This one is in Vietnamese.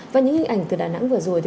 và những hình ảnh từ đà nẵng vừa rồi